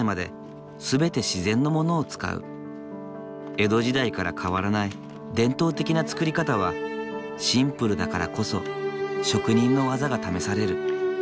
江戸時代から変わらない伝統的な作り方はシンプルだからこそ職人の技が試される。